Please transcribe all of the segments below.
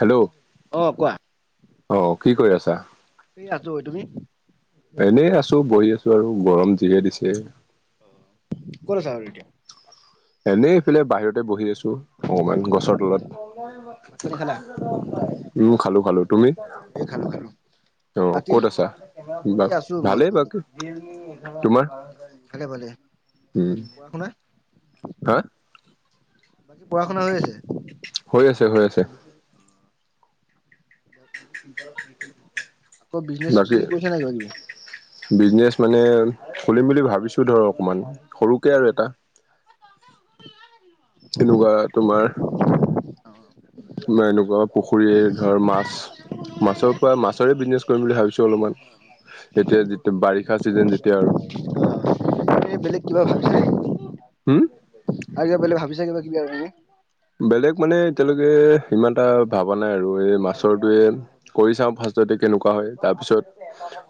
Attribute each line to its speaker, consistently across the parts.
Speaker 1: Hello
Speaker 2: অ কোৱা?
Speaker 1: অ কি কৰি আছা?
Speaker 2: এনে আছো। তুমি?
Speaker 1: এনেই আছো বহি আছো আৰু গৰম যিহে দিছে।
Speaker 2: অ ক'ত আচা আৰু এতিয়া
Speaker 1: এনেই এইফালে বাহিৰতে বহি আছো অকমান গছৰ তলত
Speaker 2: ভাত পানী খালা
Speaker 1: উম খালো খালো তুমি
Speaker 2: এই খালো খালো
Speaker 1: অ
Speaker 2: বাকী
Speaker 1: ক'ত আছা বা
Speaker 2: এই আছো মই
Speaker 1: ভালেই
Speaker 2: ওচৰতে
Speaker 1: বাকি তোমাৰ
Speaker 2: ভালে ভালে
Speaker 1: উম
Speaker 2: পঢ়া শুনা
Speaker 1: হা
Speaker 2: বাকী পঢ়া শুনা হৈ আছে
Speaker 1: হৈ আছে হৈ আছে [unintelligible]
Speaker 2: আকৌ বিজনেছ
Speaker 1: বাকী
Speaker 2: কি কৰিছা নাই কিবাকিবি
Speaker 1: বিজনেচ মানে খুলিম বুলি ভাবিছো ধৰ অকমান সৰুকে আৰু এটা
Speaker 2: [unintelligible]
Speaker 1: এনেকুৱা তোমাৰ এনেকুৱা পুখুৰী ধৰ মাছ মাছৰ পৰা মাছৰে বিজনেছ কৰিম বুলি ভাবিছোঁ [unintelligible] অলপমান এতিয়া যেতিয়া বাৰিষা চিজেন যেতিয়া আৰু
Speaker 2: এই বেলেগ কিবা ভাবিছা নেকি
Speaker 1: হম
Speaker 2: আৰু কিবা বেলেগ ভাবিছা কিবা কিবি আৰু এনে
Speaker 1: বেলেগ মানে এতিয়ালৈকে সিমান এটা ভবা নাই আৰু এই মাছৰটোৱে কৰি চাওঁ ফাষ্ট তে কেনেকুৱা হয় তাৰ পিছত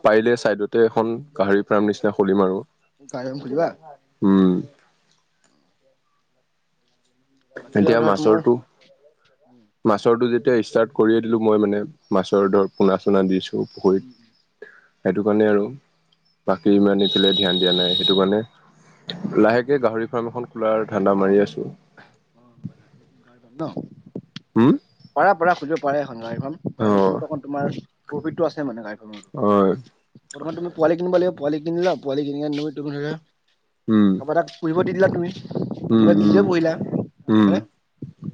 Speaker 1: পাৰিলে চাইডতে এখন গাহৰি ফাৰ্ম নিচিনা খুলিম আৰু
Speaker 2: গাড়ী এখন খুলিবা
Speaker 1: উম
Speaker 2: বাকী আৰু
Speaker 1: এতিয়া
Speaker 2: ধৰা তোমাৰ
Speaker 1: মাছৰটো মাছৰটো যেতি তিয়া ষ্টাৰ্ট কৰিয়ে দিলো মই মানে মাছৰ ধৰ পোনা চোনা দিছো পুখুৰীত সেইটো কাৰণে আৰু বাকী ইমান সিফালে ধ্যান দিয়া নাই সেইটো কাৰণে লাহেকে গাহৰি ফাৰ্ম এখন খোলাৰ ধান্দা মাৰি আছো
Speaker 2: অ
Speaker 1: উম
Speaker 2: পাৰা পাৰা খুলিব পাৰা এখ খন গাহৰি ফাৰ্ম
Speaker 1: অ
Speaker 2: গাহৰি ফাৰ্মত তোমাৰ প্ৰফিতটো আছে মানে
Speaker 1: হয়
Speaker 2: প্ৰথমত তুমি পোৱালি কিনিব লাগিব পুৱালি কিনি লা প
Speaker 1: উম
Speaker 2: [unintelligible] কাবা তাত পুহিব দি দিলা তুমি
Speaker 1: উম
Speaker 2: কিবা নিজেও
Speaker 1: উম উম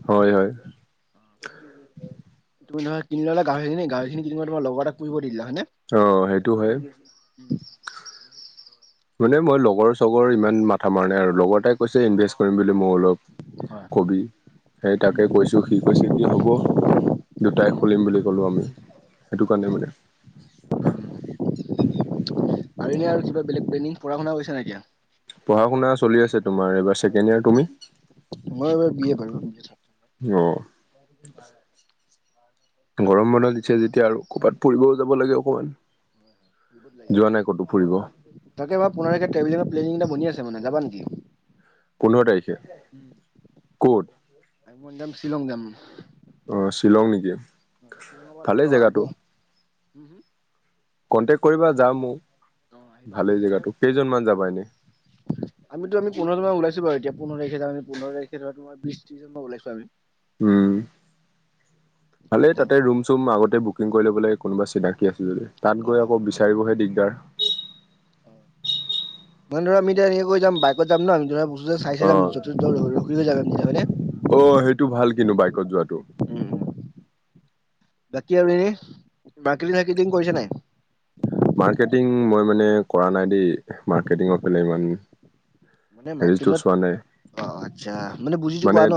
Speaker 1: হয় হয়
Speaker 2: তুমি নহয় কিনি ললা গাহৰিখিনি গাহৰিখিনি কিনি তুমি লগৰ এটাক পৃথিবলৈ দি দিলা হয়নে
Speaker 1: অ সেইটো হয় মানে মই লগ। লগৰ চগৰ ইমান মাথা মৰা নাই আৰু লগৰ এটাই কৈছে ইনভেষ্ট কৰিম বুলি মই অলপ
Speaker 2: হয়
Speaker 1: কবি। সেই তাকে কৈছো সি কৈছে কি হব দুটাই খুলিম বুলি কলো আমি সেইটো কাৰণে মানে।
Speaker 2: পাৰিল আৰু কিবা বেলেগ্ প্লেনিং পঢ়া শুনা কৰিছা নাই এতিয়া?
Speaker 1: পঢ়া শুনা চলি আছে তোমাৰ এইবাৰ ছেকেণ্ড ইয়াৰ। তুমি?
Speaker 2: হয়াক [unintelligible]
Speaker 1: অ। গৰম বন্ধ দিছে যেতিয়া আৰু ক'ৰবাত ফুৰিবও যাব লাগে অকমান। যোৱা নাই ক'তো ফুৰিব
Speaker 2: [unintelligible] তাকে প এ বনি আছে মানে যাবা নেকি?
Speaker 1: পোন্ধৰ তাৰিখে ক'ত?
Speaker 2: আমি মই যাম শ্বিলং যাম।
Speaker 1: আহ শ্বিলং নেকি? ভালেই জেগাটো।
Speaker 2: উম হম।
Speaker 1: কন্টেক্ট কৰিবা যাম মৌ।
Speaker 2: অ আহিবা আমি
Speaker 1: ভালেই
Speaker 2: মানে
Speaker 1: জেগাটো। কেইজনমান যাবা এনেই?
Speaker 2: আমিতো আমি পোন্ধৰ জন মান ওলাইছো বাৰু এতিয়া, পোন্ধৰ তাৰিখে যাম, পোন্ধৰ তাৰিখে ধৰাটো বিশ তিশ জনমান ওলাইছো আমি
Speaker 1: উম ভালেই
Speaker 2: সেইকেইটা
Speaker 1: তাতে ৰুম চুম আগতে বুক কুকিং কৰি লব লাগে কোনোবা চিনাকি আছে যদি, তাত গৈ আকৌ বিচাৰিবহে দিগদাৰ।
Speaker 2: অ মানে ধৰা আমি এতিয়া এনে কৈ যাম বাইকত যাম ন আমি ধৰা ত চাই চাই
Speaker 1: অ
Speaker 2: যাম য [unintelligible]
Speaker 1: অ সেইটো ভাল কিন্তু বাইকত যোৱাাতটো।
Speaker 2: বাকী আৰু এনে মাৰ্কেটিং চাৰ্কিটিং কৰিছে নাই?
Speaker 1: মাৰ্কেটিং মই মানে কৰা নাই দেই মাৰ্কেটিঙৰ ফালে ইমান
Speaker 2: মানে
Speaker 1: হেৰিতো
Speaker 2: মাৰ্কেটিঙত
Speaker 1: চোৱা নাই
Speaker 2: অ আচ্ছা বুজিতো পোৱা
Speaker 1: মানে
Speaker 2: ন?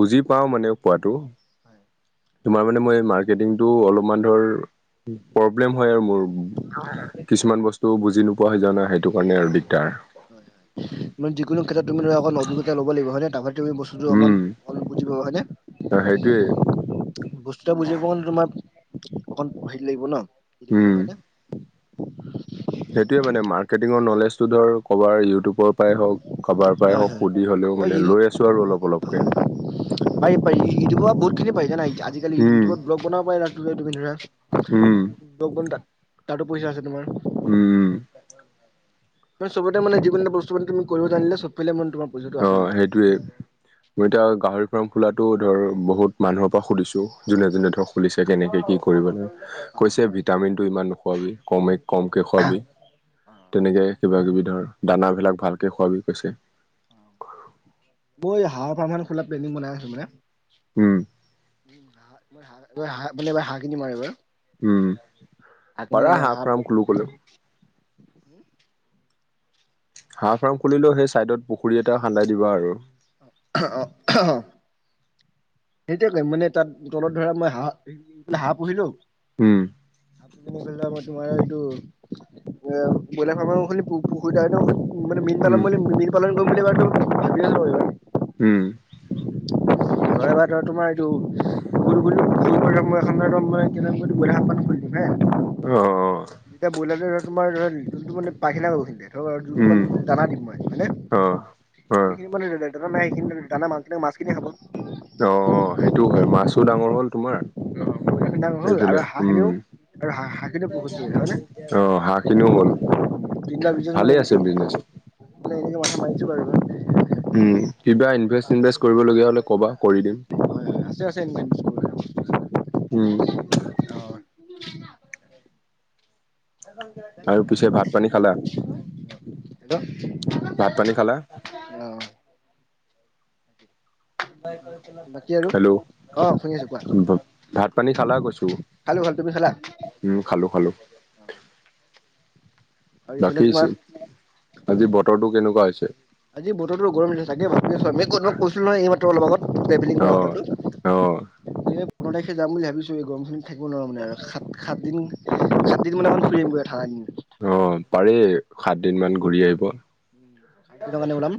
Speaker 1: বুজি পাও মানে। পোৱাটো। তোমাৰ মানে মই মাৰ্কেটিংটো অলপমান ধৰ প্ৰব্লেম হয় আৰু মোৰ কিছুমান বস্তু বুজি নোপোৱা হৈ যোৱা না সেইটো কাৰণে আৰু দি
Speaker 2: যিকোনো ক্ষেত্ৰত তুমি ধৰা অক অভিজ্ঞতা ল'ব লাগিব হয় নে? তাৰ পৰা তুমি বস্তুটো অ অ বুজিব হয় নে?
Speaker 1: অ সেইটোয়েই
Speaker 2: বস্তু এটা বুজি পাবলে তোমাৰ অকণ হেৰিত লাগিব ন [inaudible]
Speaker 1: উম সেইটোৱে মানে মাৰ্কেটিঙৰ নলেজ টো ধ ইউটউবৰ পৰাই হওঁক কাৰবাৰ পৰাই হওক
Speaker 2: হয়
Speaker 1: সুধি হ'লেও মানে
Speaker 2: হয়।
Speaker 1: লৈ আছো আৰু অলপ অলপকে।
Speaker 2: পাৰি পাৰি। ইউটিউবৰ পৰা বহুত খিনি পাই যা নাই আজিকালি
Speaker 1: উম
Speaker 2: ইউটিউবত ব্লগ বনাব পাৰে
Speaker 1: উম
Speaker 2: বন [unintelligible] তাতো পইচা আছে তোমাৰ।
Speaker 1: উম উ।
Speaker 2: ম চবতে মানে যিকোনো এটা বস্তু মানে তুমি কৰিব জানিলে সব ফালে মন
Speaker 1: অ সেইটোয়েই মই এতিয়া গাহৰি ফাৰ্ম খোলাটো ধৰ বহুত মানুহৰ পৰা খুলিছোঁ যোনে যোনে ধৰক খুলিছে কেনেকৈ কি কৰিবলে।
Speaker 2: অ
Speaker 1: কৈছে
Speaker 2: আচ্ছা
Speaker 1: ভিটামিন টো ইমান নোখোৱাবি কমে কমকে খোৱাবি
Speaker 2: অ
Speaker 1: তেনেকে কিবা কিবি ধৰ দানাবিলাক ভালকে খোৱাবি কৈছে।
Speaker 2: ম হাঁহ পাৰ ম খোলা পেইণ্টিং বনাই আছো মানে।
Speaker 1: উম।
Speaker 2: হাঁহ হাঁহ মাৰে হাঁহ খিনি মাৰে বাৰু
Speaker 1: উম পাৰা হাঁহ ফাৰ্ম খোলো কলেও।
Speaker 2: উম।
Speaker 1: হাঁহ ফাৰ্ম খুলিলেও সেই চাইডত পুখুৰী এটা খান্দাই দিবা আৰু।
Speaker 2: অহ অহ। সেইটোয়ে কৰিম মানে তাত তলত ধৰা মই হাঁহ হাঁহ পুহিলো
Speaker 1: উম।
Speaker 2: আপুনি মোক খাইলে হ'ব, তোমাৰ এইটো ব্ৰইলাৰ ফাৰ্ম এখন খুলিম পুখুৰীতাই ন মানে মীন
Speaker 1: উম
Speaker 2: পালন বুলি মীন পালন কৰিম বুলি ভাবি আছো।
Speaker 1: উম
Speaker 2: হয়বাৰ তই তোমাৰ এইটোই ম কে গ সাত পান খুলি দি হা
Speaker 1: অ অ
Speaker 2: যেতিয়া বইলাতো তোমাৰ যোনটো মানে পাইখানা কৰিছিলে যোনটো
Speaker 1: উম
Speaker 2: মানে দানা দিম মই মানে
Speaker 1: অ অ
Speaker 2: যিখিনি
Speaker 1: অ
Speaker 2: মানে দানা নাই, সেইখিনি দানা মা মাছখিনিয়ে খাব।
Speaker 1: অ
Speaker 2: [unintelligible]
Speaker 1: সেইটো হয়, মাছো ডাঙৰ হ'ল তোমাৰ
Speaker 2: ব্ৰইলাৰখিনি ডাঙৰ হ'ল
Speaker 1: এইফালে
Speaker 2: আৰু হাঁহখিনিও
Speaker 1: উম
Speaker 2: আৰু হাঁহ হাঁহখিনিও বহুত জৰুৰী হয়নে?
Speaker 1: অ হাঁহখিনিও হ'ল। ভালে আছে বিজনেচ।
Speaker 2: ম এনেকে মাথা মাৰিছো আৰু।
Speaker 1: উম কিবা ইনভেচ ইনভেষ্ট কৰিবলগীয়া হ'লে কবা কৰি দিম
Speaker 2: হয় হয় আছে আছে এ
Speaker 1: উম
Speaker 2: কিনো নাই না অকলে অকলে ল।
Speaker 1: আৰু পিছে ভাত পানী খালা
Speaker 2: হেল্ল
Speaker 1: ভাত পানী খালা
Speaker 2: অ বাকী আৰু
Speaker 1: হেল্ল'
Speaker 2: অ' শুনি আছো কোৱা
Speaker 1: ভাত-পানী খালা কৈছো?
Speaker 2: খালো ভাত তুমি খালা।
Speaker 1: উম খালো খালো।
Speaker 2: আৰু এইফালে
Speaker 1: বাকি চি,
Speaker 2: তোমাৰ
Speaker 1: আজি বতৰটো কেনেকোৱা হৈছে?
Speaker 2: আজি বতৰতো গৰম দিছে তাকে ভাবি আছো আমি ক'ত কৈছিলো নহয় এইমাত্ৰ অলপ আগত দেবিলিং
Speaker 1: অ
Speaker 2: কৰা কথাটো,
Speaker 1: অ
Speaker 2: পোন্ধৰ তাৰিখে যাম বুলি ভাবিছো এই গৰম খিনি থাকিব নোৱাৰো মানে আৰু সাত সাতদিন সাতদিন মানে ফুৰি আমগৈ আৰু ঠাণ্ডা দিনত।
Speaker 1: অ পাৰি সাত দিন মান ঘূৰি আহিব।
Speaker 2: উম সাত দিনৰ কাৰণে ওলাম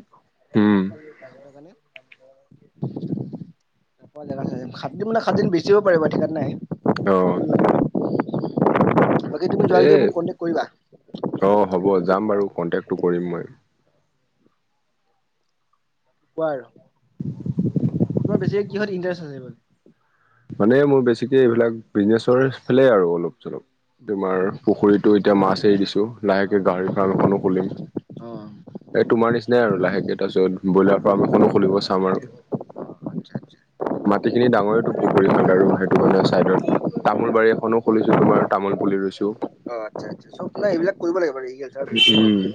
Speaker 1: উম
Speaker 2: এসপ্তাহ কাৰণে। তাপৱা জেগা চাই আহিম, সাতদিন মানে সাতদিন বেছি হ'ব পাৰে ঠিকান নাই।
Speaker 1: অ
Speaker 2: বাকী তুমি যোৱা
Speaker 1: এ
Speaker 2: যদি মোক কণ্টেক্ট কৰিবা
Speaker 1: অ হ'ব যাম বাৰু কন্টেক্টো কৰিম মই।
Speaker 2: কোৱা আৰু, তোমাৰ বেছিকে কিহত ইনটাৰেষ্ট আছে মানে?
Speaker 1: মানে মোৰ বেছিকে এইবিলাক, বিজনেচৰ ফালে আৰু অলপ চলপ। তোমাৰ পুখুৰীতো এতিয়া মাছ এৰি দিছো, লাহেকে
Speaker 2: অ',
Speaker 1: গাহৰি ফাৰ্ম এখনো খুলিম।
Speaker 2: অ', অ',
Speaker 1: এই তোমাৰ নিচিনাই আৰু, লাহেকে তাৰপিছত ব্ৰইলাৰ ফাৰ্ম এখনো খুলিব চাম আৰু।
Speaker 2: আচ্ছা আচ্ছা
Speaker 1: মাটি খিনি ডাঙৰে টো পু খন্দাৰো সেইটো কাৰণে চাইডত তামোল বাৰী এখনো খুলিছো তোমাৰ, তামোল পুলি ৰুইছো।
Speaker 2: অ', আচ্ছা আচ্ছা চব নাই এইবিলাক কৰিব লাগে বাৰু এগ্ৰিকালচাৰৰ বিষয়ে কব
Speaker 1: উম
Speaker 2: যে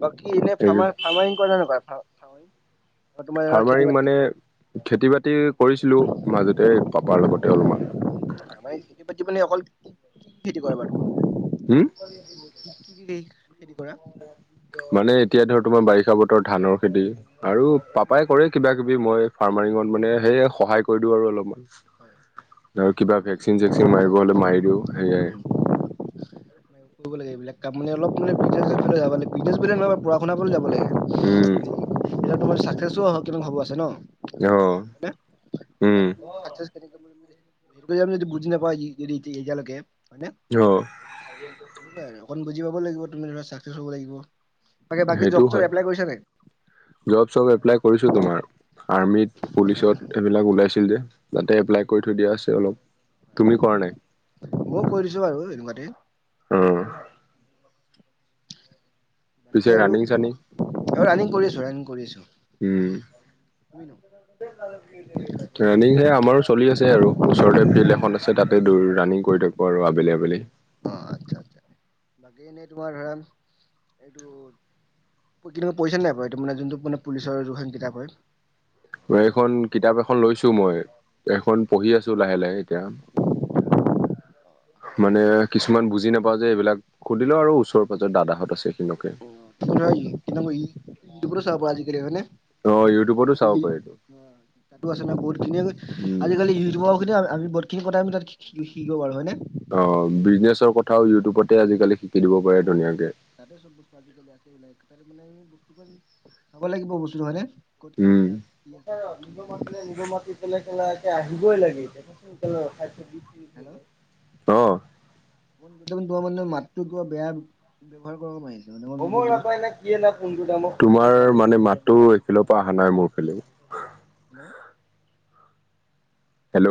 Speaker 2: ত কি ইনে
Speaker 1: এই
Speaker 2: ফাৰ্মা ফৰ্মাৰিং কৰা নে নকৰা। হয়।
Speaker 1: ফাৰ্মাৰিং মানে খেতি বাতি কৰিছিলো মাজতে পাপাৰ লগতে অলপমান।
Speaker 2: আমাৰ খেতি-বাতি মানে অকল কি কি খেতি কৰানো?
Speaker 1: হম
Speaker 2: কি কি কি খেতি কৰা?
Speaker 1: মানে এতিয়া ধৰ তোমাৰ বাৰিষা বতৰত ধানৰ খেতি, আৰু পাপাই কৰে কিবা কিবি মই ফাৰ্মাৰিঙত মানে সেয়ে সহায় কৰি দিওঁ আৰু অলপমান।
Speaker 2: হয়।
Speaker 1: আৰু কিবা ভেকচিন চেকচিন মাৰিব হ'লে মাৰি দিও সেয়াই।
Speaker 2: কৰিব লাগে এইবিলাক কাম মান অলপ মানে বিজনেছৰ ফালে যাব লাগিব বিজনেছ বুলি নহয় পঢ়া শুনা ফালো যাব লাগে
Speaker 1: উম।
Speaker 2: এতিয়া তোমাৰ চাকচেছো অহ কিনো হ'ব আছে ন।
Speaker 1: অ উম।
Speaker 2: চকচেছ কেনেকে বনম যদি সেইতোকে বুজি নাপাই যদি এতিয়ালৈকে। হয়নে
Speaker 1: অ
Speaker 2: এনেকুৱাই আৰু অকণ বুজি পাব লাগিব তুমি ধৰা চাকচছ হব লাগিব। বাকী বাকী জব
Speaker 1: সেইটোও
Speaker 2: চব
Speaker 1: হয়
Speaker 2: এপ্লাই কৰিছা নাই?
Speaker 1: জব চব এপ্লাই কৰিছো তোমাৰ। আৰ্মিত পুলিচত এইবিলাক ওলাইছিল যে তাতে এপ্লাই কৰি থৈ দিয়া আছে অলপ। তুমি কোৱা নাই
Speaker 2: ময়ো কৰি দিছো বাৰু এনেকুৱাতে
Speaker 1: অ। পিছে
Speaker 2: বাকী আৰু
Speaker 1: ৰানিং চানিং
Speaker 2: ৰানিং কৰি আছো ৰানিং কৰি আছো।
Speaker 1: ইমানতে তালে ভাল। ৰানিং সে আমাৰো চলি আছে আৰু ওচৰতে ফিল্ড এখন আছে তাতে ৰানিং কৰি থাক। আৰু আবেলি আবেলি।
Speaker 2: অ আচ্ছা আচ্ছা বাকী এনেই তোমাৰ ধৰা এইটো। কেনেকা পইচা নাপায় ত মানে যোনটো মানে পুলিচৰ যোনখন কিতাপ হয়
Speaker 1: এইখন কিতাপ এখন লৈছো মই এইখন পঢ়ি আছো লাহে লাহে এতিয়া [unintelligible] মানে কিছুমান বুজি নাপাও যে এইবিলাক সুধিলো আৰু ওচৰৰ পাজত দাদাহঁত আছিল
Speaker 2: অ কি হয় ই ইউটিবতো চাব পাৰে আজিকালি হয়নে
Speaker 1: অ। ইউটিউবতো চাব পাৰে এইটো
Speaker 2: তাতো আছে নহ বহুত খিনি
Speaker 1: উম
Speaker 2: আজিকালি ইউটিউবৰ খিনি আমি বহুতখিনি টাইম ত। শ শিকিব বাৰু হয় নে।
Speaker 1: অ বিজনেছৰ কথাও ইউটিউবতে আজিকালি শিকি দিব পাৰে ধুনীয়াকে।
Speaker 2: তাতে চব বস্তু আজিকালি আছেবিলাক তাতে মানে আমি বস্তু চাব লাগিব বস্তুটো হয়নে ক'ত কি
Speaker 1: উম।
Speaker 2: নাই কি আছে ক'ত কি নাই
Speaker 1: অ।
Speaker 2: তোমাৰ মানে মাতটো কিবা বেয়া ব ব্যয়ৱহাৰ কৰা পাৰিলে।
Speaker 1: সময় নাপায় না কি না। তোমাৰ মানে মাতো এইখিলৰ পৰা অহা নাই মোৰ ফালেও।
Speaker 2: হেল্ল'।
Speaker 1: হেল্ল'।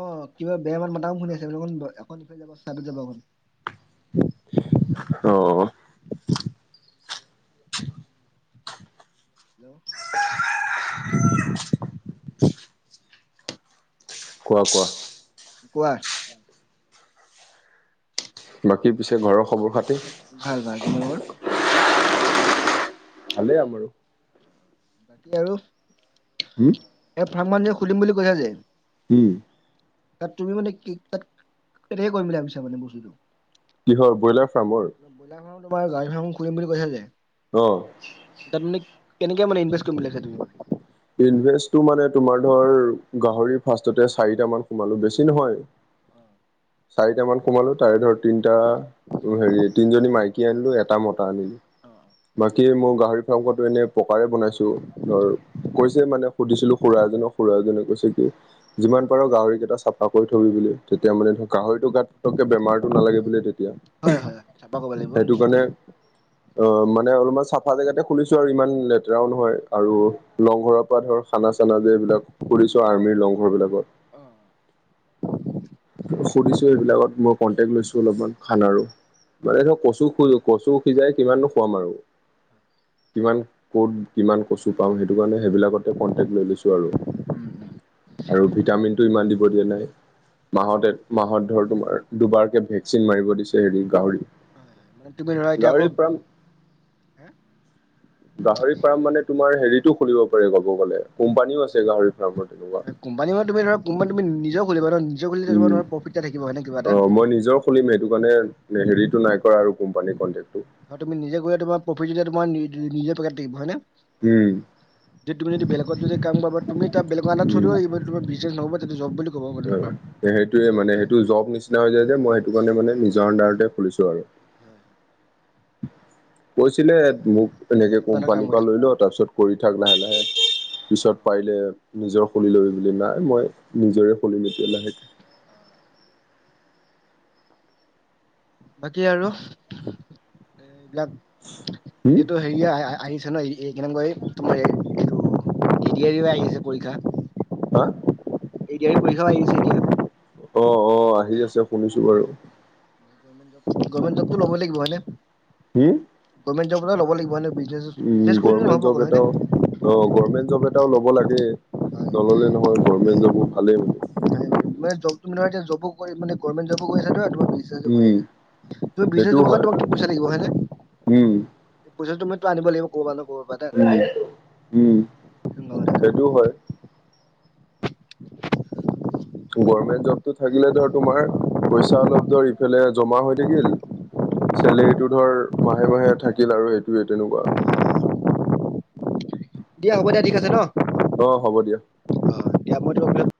Speaker 2: অ কিবা বেয়া মান মাতাম শুনি আছে অক এখন ইফালে যাব চাইত যাব অকণ।
Speaker 1: অহ।
Speaker 2: হেল্ল'।
Speaker 1: [unintelligible] কোৱা কোৱা।
Speaker 2: কোৱা।
Speaker 1: বাকী পিছে ঘৰৰ খবৰ খাত।
Speaker 2: ভাল ভাল তোমাৰ লোকৰ।
Speaker 1: ভালে আমাৰো।
Speaker 2: বাকী আৰু।
Speaker 1: উম।
Speaker 2: এই ফাৰ্ম মানুহে খুলিম বুলি কৈছা যে।
Speaker 1: উম।
Speaker 2: তাত তুমি মানে কি তাত কেতিয়াকে কৰিম বুলি ভাবিছা মানে বস্তুটো।
Speaker 1: কিহৰ ব্ৰইলাৰ ফাৰ্মৰ।
Speaker 2: ব্ৰইলাৰ ফাৰ্ম তোমাৰ গাড়ী খন ঘুৰিম কৈছে যে।
Speaker 1: অহ।
Speaker 2: তাত মানে কেনেকে মানে ইনভেষ্ট কৰিম বুলি।
Speaker 1: ইনভেষ্টটো মানে তোমাৰ ধৰ গাহৰি ফাৰ্ষ্ট ততে চাৰিট মান সোমালো বেছি নহয়।
Speaker 2: অ।
Speaker 1: চাৰিট মান সোমালো তাৰে ধৰ তিনটা হেৰি তিনজনী মাইকী আনিলো এটা মত। আৰু
Speaker 2: অ
Speaker 1: বাকী মোৰ গাহৰি ফাৰ্ম খন এতিয়া পকাৰে বনাইছোঁ ধৰ- কৈছে মানে সুধিছিলোঁ খুৰা এজনক খুৰা এজনে কৈছে কি যিমান পাৰ গাহৰিকেইটা চাফা কৰি থবি- তেতিয়া মানে ধ গাহৰিতো গাততকে বেমাৰটো নালাগে বোলে তেয়া-
Speaker 2: হয় হয় হয়, চাফা কৰিব লাগিব
Speaker 1: সেইটো
Speaker 2: বস্তুটো
Speaker 1: কাৰণে অ মানে অলপ- আমাৰ চাফা জেগাতে খুলিছোঁ ছো আৰু ইমান লেতেৰাও নহয় আৰু- লংঘৰৰ পৰা ধৰ খানা চানা যে এইবিলাক কৰিছো আৰ্মিৰ লংঘৰ বিলাকত-
Speaker 2: অ
Speaker 1: [unintelligible] [inaudible] সুধিছোঁ সেইবিলাকত মই কন্টেক লৈছোঁ অলপ খানাৰো-
Speaker 2: হয়
Speaker 1: মানে ধৰ কচু খজো কচু সিজাই কিমানো খুৱাম আৰু- কিমান কত কিমান কচু পাও সেইটো কাৰণে সেইবোৰতে কণ্টেক লৈ লৈছোঁ আৰু-
Speaker 2: উম উম
Speaker 1: আৰু ভিটামিনটো ইমান দিব দিয়া নাই- মাহতে মাহত ধৰ তোমাৰ দুবাৰকে ভেকচিন মাৰিব দিছে হেৰি গাহৰি-
Speaker 2: হয় হয় মানে তুমি ধৰা এতিয়া আকৌ
Speaker 1: গাহৰি ফাৰ্ম
Speaker 2: হা।
Speaker 1: গাহৰি ফাৰ্ম মানে তোমাৰ হেৰিতো খুলিব পাৰে গব গ'লে কোম্পানীও আছে গাহৰি ফাৰ।
Speaker 2: কম্পী মানে তুমি ধৰা কোম্পানী তুমি নিজে খুলিব।
Speaker 1: উম অ মই নিজৰ খুলিম সেইটো কাৰণে হেৰিতটো নাই কৰা আৰু কোম্পানীত। কণ্টেকটো।
Speaker 2: ধ তুমি নিজে কৰি তোমাৰ প্ৰফিট যয়া তোম নিজে পেকট থাকিব হয় নে।
Speaker 1: উম
Speaker 2: যে তুমি যদি বেলেগত যদি কাম কৰিবা তুমি তাত বেলেগৰ আনদাৰত
Speaker 1: উম
Speaker 2: চলিবই লাগিব- বিজ নহব জব বুলি- ক'ব মানে তোমাৰ।
Speaker 1: সেইটোয়ে মানে সেইটো জব নিচিনা হৈ যায় যে মই সেইটো কাৰণে মানে নিজৰ আনডাৰতে খুলিছোঁ আৰু-
Speaker 2: হয় হয়- [inaudible]
Speaker 1: কৈছিলে মোক- এনেকে
Speaker 2: বেলেগৰ আন্দাৰত কাম
Speaker 1: কোম্পানীৰ
Speaker 2: কৰি
Speaker 1: পৰা
Speaker 2: থাক।
Speaker 1: লৈ লও তাৰপিছত কৰি থাক লাহে লাহে পিছত
Speaker 2: অ'
Speaker 1: পাৰিলে- নিজৰ খুলি লবি বুলি নাই মই নিজৰে খুলিম এতিয় লাহেকৈ-
Speaker 2: বাকী আৰু এ এইবিলাক
Speaker 1: হম
Speaker 2: এতিয়াতো হেৰি- আহিছে ন এই কেনেকৈ তোমাৰ এইটো টি ডি আই ৰো আহিছে পৰীক্ষা-
Speaker 1: হা?
Speaker 2: টি ডি আই পৰীক্ষা ও আহিছে দিয়া -
Speaker 1: অ অ আহি আছে শুনিছোঁ বাৰু-
Speaker 2: গভমেন্ট লব লাগিব হয়নে-
Speaker 1: হম?
Speaker 2: গভেণ্টৰ পৰা লব লাগিব- বিজনেছ
Speaker 1: উম
Speaker 2: বিজনেছ কৰিলে
Speaker 1: গভমেণ্ট
Speaker 2: নহ'ব
Speaker 1: জব
Speaker 2: অকল হয়নে?
Speaker 1: এটাও অ গভমেন্ট জব এটাও লব লাগে-
Speaker 2: হয়।
Speaker 1: নল'লে নহয় গভৰ্মেণ্ট জবো ভালেই মানে-
Speaker 2: মানে জব তো এতিয়া জবো কৰি মানে গভমেন্ট জবো কৰি আছে- পইচাতো পাই
Speaker 1: উম
Speaker 2: আছা তুমি বিজ
Speaker 1: সেইটোও
Speaker 2: দিব কাৰণে
Speaker 1: হয়
Speaker 2: তোমাক পইচা লাগিব হয় নে
Speaker 1: উম
Speaker 2: পাইছাতো মই- আনিব লাগিব ক'ব-
Speaker 1: উম উম সেইটো হয়- গৰ্মেন্ট জবতটো থাকিলে ধৰ তোমাৰ পইচা অলপ ধৰ ইফালে জমা হৈ থাকিল- চেলেৰীটো ধৰ মাহে মাহে থাকিল আৰু সেইটোৱে তেনেকুৱা- [unintelligible]
Speaker 2: দিয়া হ'ব দিয়া ঠিক আছে ন-
Speaker 1: আহ হ'ব দিয়া-
Speaker 2: অ মই অকণমান পাছত-